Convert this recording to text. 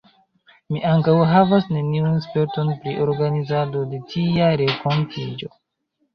Mi ankaŭ havas neniun sperton pri organizado de tia renkontiĝo.